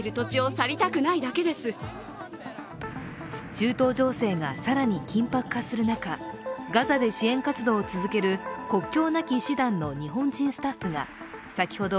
中東情勢が更に緊迫化する中、ガザで支援活動を続ける国境なき医師団の日本人スタッフが先ほど